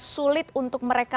sulit untuk mereka